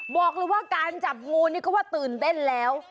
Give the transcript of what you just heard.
บอกเลยว่าการจับงูนี่ก็ว่าตื่นเต้นแล้ว